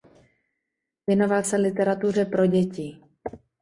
Věnoval se literatuře pro děti.